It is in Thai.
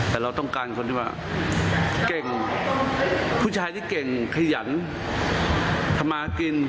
แต่เราต้องการคนที่ว่าเก่งผู้ชายที่เก่งขยันทำมากิน